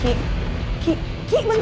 ki ki bentar bu